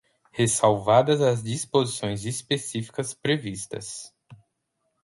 ressalvadas as disposições específicas previstas